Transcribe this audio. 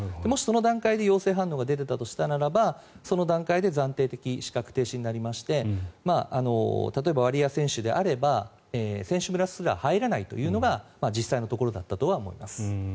もしその段階で陽性反応が出ていたとしたら暫定的資格停止になりまして例えば、ワリエワ選手であれば選手村すら入れないのが実際のところだったとは思います。